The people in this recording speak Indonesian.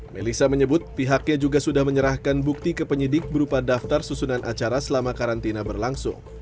melissa menyebut pihaknya juga sudah menyerahkan bukti ke penyidik berupa daftar susunan acara selama karantina berlangsung